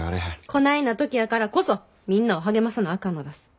こないな時やからこそみんなを励まさなあかんのだす。